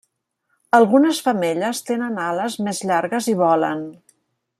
Algunes femelles tenen ales més llargues i volen.